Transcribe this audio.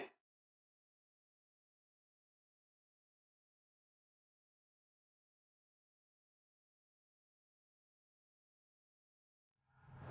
kosong seperti ini